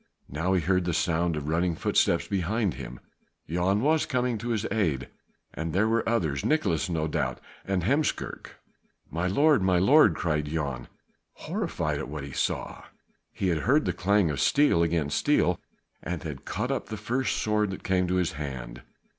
Now he heard the sound of running footsteps behind him; Jan was coming to his aid and there were others; Nicolaes no doubt and Heemskerk. "My lord! my lord!" cried Jan, horrified at what he saw. He had heard the clang of steel against steel and had caught up the first sword that came to his hand.